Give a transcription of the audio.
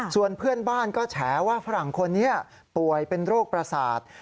ส่วนเพื่อนบ้านก็แฉว่าฝรั่งคนนี้ป่วยเป็นโรคประสาท